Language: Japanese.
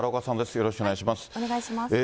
よろしくお願いします。